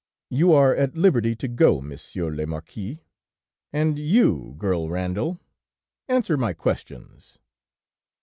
You are at liberty to go, Monsieur le Marquis, and you, girl Randal answer my questions.'